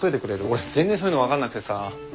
俺全然そういうの分かんなくてさ。